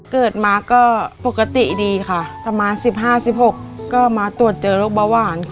เกิดมาก็ปกติดีค่ะประมาณ๑๕๑๖ก็มาตรวจเจอโรคเบาหวาน